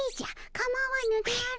かまわぬであろう。